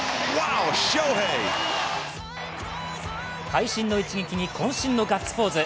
会心の一撃にこん身のガッツポーズ。